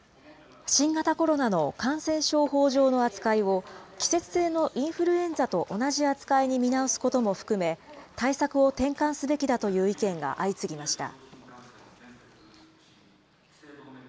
新型コロナの感染症法上の扱いを、季節性のインフルエンザと同じ扱いに見直すことも含め、対策を転換すべきだという意見が相次ぎました。